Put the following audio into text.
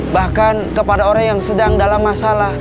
bahkan kepada orang yang sedang dalam masalah